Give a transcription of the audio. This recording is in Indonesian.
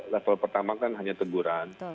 level pertama kan hanya teguran